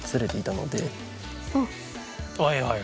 はいはい。